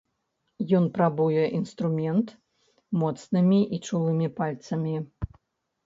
Ён прабуе інструмент моцнымі і чулымі пальцамі.